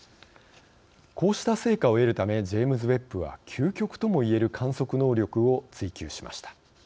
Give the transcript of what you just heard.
こうした成果を得るためジェームズ・ウェッブは究極ともいえる観測能力を追求しました。